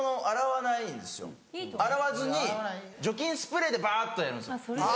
洗わずに除菌スプレーでバっとやるんですよ。